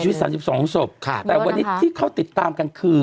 วันนี้เสียชีวิต๓๒สมแต่วันนี้ที่เขาติดตามกันคือ